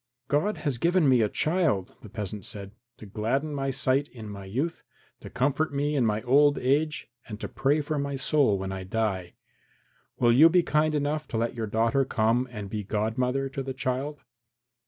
"God has given me a child," the peasant said, "to gladden my sight in my youth, to comfort me in my old age and to pray for my soul when I die. Will you be kind enough to let your daughter come and be godmother to the child?"